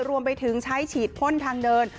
รวมไปถึงใช้ฉีดพ่นทางเดิน